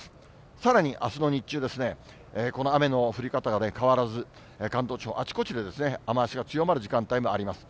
さらにあすの日中ですね、この雨の降り方が変わらず、関東地方、あちこちで雨足が強まる時間帯もあります。